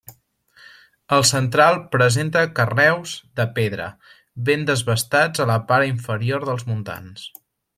El central presenta carreus de pedra ben desbastats a la part inferior dels muntants.